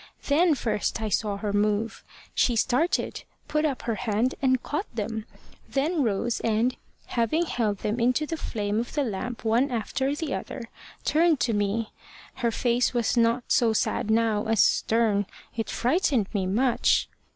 Then first I saw her move. She started, put up her hand, and caught them; then rose and, having held them into the flame of the lamp one after the other, turned to me. Her face was not so sad now as stern. It frightened me much.